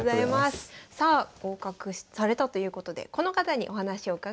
さあ合格されたということでこの方にお話を伺いました。